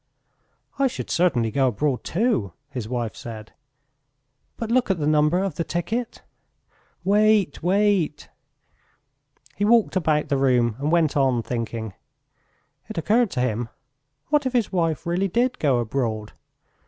"I should certainly go abroad too," his wife said. "But look at the number of the ticket!" "Wait, wait!..." He walked about the room and went on thinking. It occurred to him: what if his wife really did go abroad?